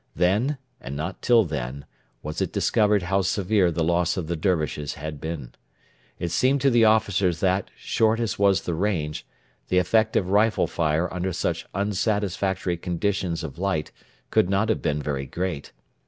Then, and not till then, was it discovered how severe the loss of the Dervishes had been. It seemed to the officers that, short as was the range, the effect of rifle fire under such unsatisfactory conditions of light could not have been very great.